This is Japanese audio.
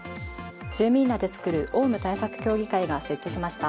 住民らで作るオウム対策協議会が設置しました。